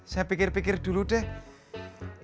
saya pikir pikir dulu deh